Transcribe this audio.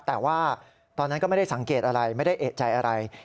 แต่ว่าตอนนั้นก็ไม่ได้สังเกตอะไรไม่ได้เอกใจอะไร